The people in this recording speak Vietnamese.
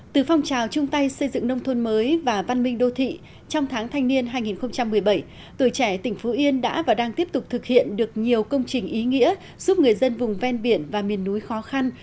từ phong trào chung tay xây dựng nông thôn mới và văn minh đô thị trong tháng thanh niên hai nghìn một mươi bảy tuổi trẻ tỉnh phú yên đã và đang tiếp tục thực hiện được nhiều công trình ý nghĩa giúp người dân vùng ven biển và miền núi khó khăn